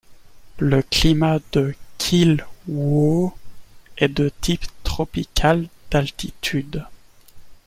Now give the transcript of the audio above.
Le climat de Kilwo est de type tropical d'altitude.